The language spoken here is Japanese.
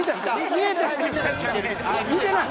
見えてない］